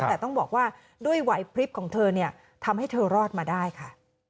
แต่ต้องบอกว่าด้วยไหวพลิบของเธอเนี่ยทำให้เธอรอดมาได้ค่ะ